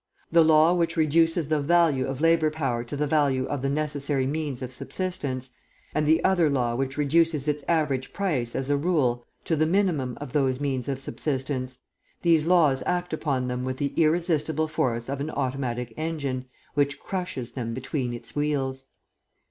The law which reduces the value of labour power to the value of the necessary means of subsistence, and the other law which reduces its average price, as a rule, to the minimum of those means of subsistence, these laws act upon them with the irresistible force of an automatic engine, which crushes them between its wheels.